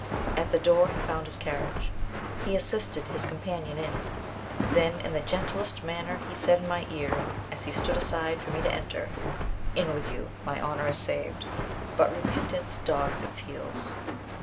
At the door he found his carriage. He assisted his companion in. Then in the gentlest manner he said in my ear, as he stood aside for me to enter, "In with you. My honor is saved, but repentance dogs its heels."